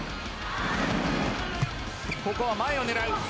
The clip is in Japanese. ここは前を狙う。